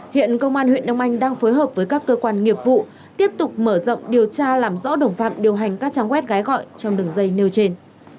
hiện công an huyện đông anh đang phối hợp với các cơ quan nghiệp vụ tiếp tục mở rộng điều tra làm rõ đồng phạm điều hành các trang web gái gọi trong đường dây nêu trên